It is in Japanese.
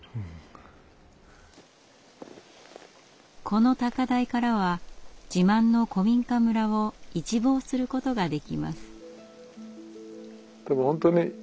この高台からは自慢の古民家村を一望することができます。